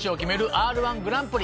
Ｒ−１グランプリ。